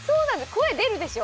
声出るでしょ？